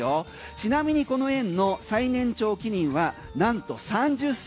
ちなみにこの園の最年長キリンはなんと３０歳。